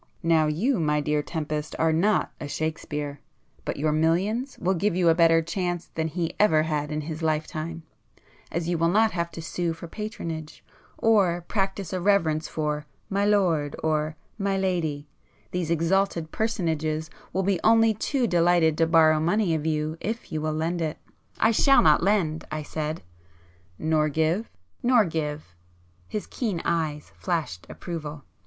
Now you, my dear Tempest, are not a Shakespeare, but your millions will give you a better chance than he ever had in his life time, as you will not have to sue for patronage, or practise a reverence for 'my lord' or 'my lady,'—these [p 69] exalted personages will be only too delighted to borrow money of you if you will lend it." "I shall not lend,"—I said. "Nor give?" "Nor give." His keen eyes flashed approval.